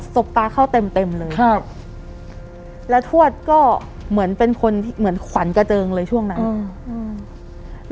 บตาเข้าเต็มเต็มเลยครับแล้วทวดก็เหมือนเป็นคนเหมือนขวัญกระเจิงเลยช่วงนั้นอืมอืม